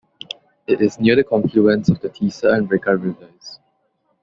It is near the confluence of the Tisa and Rika Rivers.